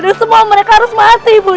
dan semua mereka harus mati bu